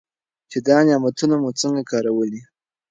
چې دا نعمتونه مو څنګه کارولي.